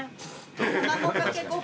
卵かけご飯。